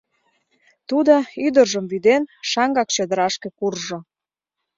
— Тудо, ӱдыржым вӱден, шаҥгак чодырашке куржо.